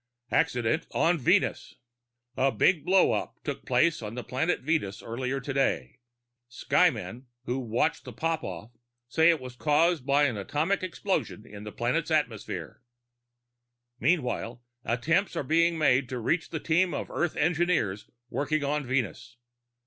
ACCIDENT ON VENUS _A big blowup took place on the planet Venus earlier today. Sky men who watched the popoff say it was caused by an atomic explosion in the planet's atmosphere._ _Meanwhile, attempts are being made to reach the team of Earth engineers working on Venus.